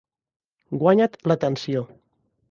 Guanya't l'atenció.